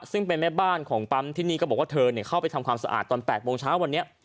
ซึ่งเป็นแม่บ้านของปั๊มที่นี่ก็บอกว่าเธอเข้าไปทำความสะอาดตอน๘โมงเช้าวันนี้